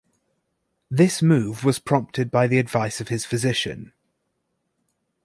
This move was prompted by the advice of his physician.